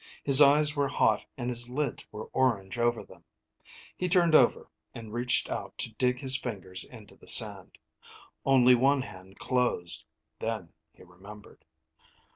His eyes were hot and his lids were orange over them. He turned over, and reached out to dig his fingers into the sand. Only one hand closed; then he remembered.